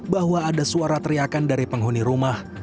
bahwa ada suara teriakan dari penghuni rumah